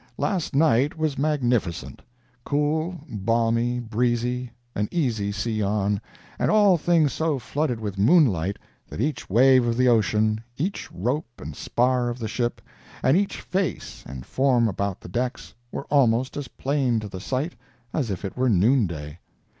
—Last night was magnificent—cool, balmy, breezy, an easy sea on, and all things so flooded with moonlight that each wave of the ocean, each rope and spar of the ship, and each face and form about the decks were almost as plain to the sight as if it were noonday.